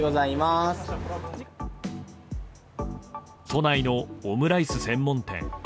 都内のオムライス専門店。